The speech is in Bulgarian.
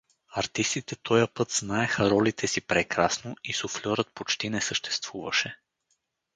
Артистите тоя път знаеха ролите си прекрасно и суфльорът почти не съществуваше.